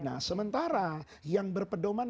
nah sementara yang berpedoman